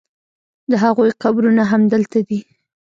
د هغوی قبرونه همدلته دي.